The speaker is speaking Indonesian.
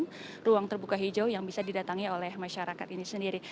dan juga di sebelah kanan ruang terbuka hijau yang bisa didatangi oleh masyarakat ini sendiri